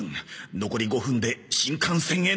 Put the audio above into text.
残り５分で新幹線へ乗り込む